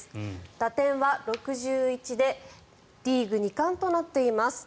打点は６１でリーグ２冠となっています。